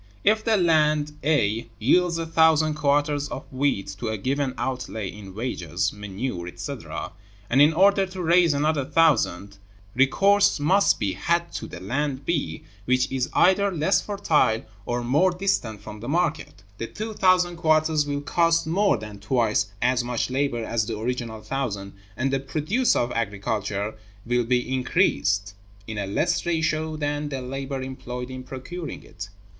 If the land A yields a thousand quarters of wheat to a given outlay in wages, manure, etc., and, in order to raise another thousand, recourse must be had to the land B, which is either less fertile or more distant from the market, the two thousand quarters will cost more than twice as much labor as the original thousand, and the produce of agriculture will be increased in a less ratio than the labor employed in procuring it.